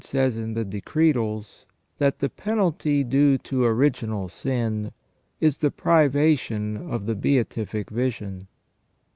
says in the Decretals that "the penalty due to original sin is the privation of the beatific vision